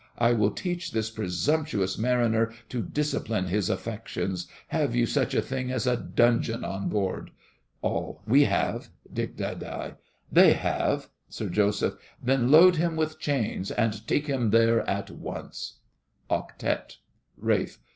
I will teach this presumptuous mariner to discipline his affections. Have you such a thing as a dungeon on board? ALL. We have! DICK. They have! SIR JOSEPH. Then load him with chains and take him there at once! OCTETTE RALPH.